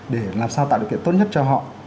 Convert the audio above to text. để làm sao tạo điều kiện tốt nhất cho họ